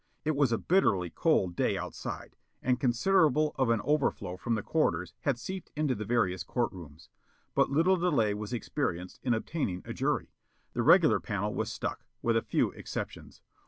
It was a bitterly cold day outside and considerable of an overflow from the corridors had seeped into the various court rooms. But little delay was experienced in obtaining a jury. The regular panel was stuck, with a few exceptions.